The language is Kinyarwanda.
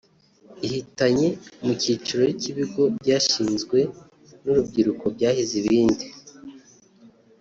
Ihatanye mu cyiciro cy’ibigo byashinzwe n’urubyiruko byahize ibindi